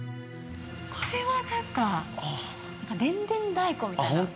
これは何か何かでんでん太鼓みたいなあっ